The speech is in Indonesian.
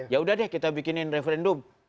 ya udah deh kita bikinin referendum